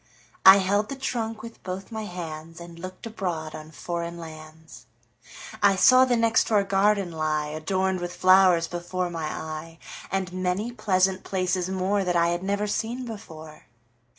I held the trunk with both my handsAnd looked abroad on foreign lands.I saw the next door garden lie, Adorned with flowers, before my eye, And many pleasant places moreThat I had never seen before.